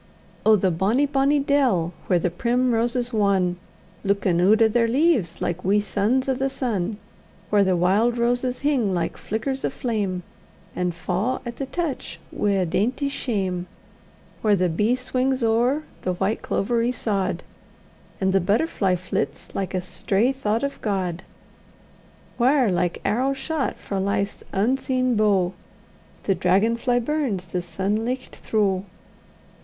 Oh! the bonny, bonny dell, whaur the primroses wonn, Luikin' oot o' their leaves like wee sons o' the sun; Whaur the wild roses hing like flickers o' flame, And fa' at the touch wi' a dainty shame; Whaur the bee swings ower the white clovery sod, And the butterfly flits like a stray thoucht o' God; Whaur, like arrow shot frae life's unseen bow, The dragon fly burns the sunlicht throu'! Oh!